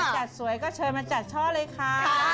จัดสวยก็เชิญมาจัดช่อเลยค่ะ